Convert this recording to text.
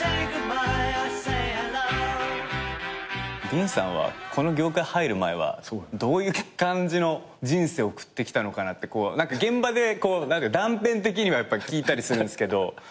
ディーンさんはこの業界入る前はどういう感じの人生送ってきたのかなって現場で断片的には聞いたりするんすけど。